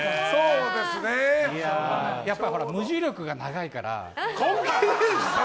やっぱり無重力が長いから。